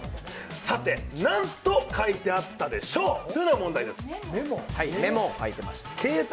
さて、何と書いてあったでしょうというのが問題です。